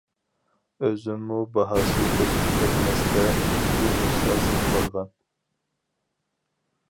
ئۆزۈممۇ باھاسى ئۆسۈپ كەتمەستە ئىككى نۇسخا سېتىۋالغان.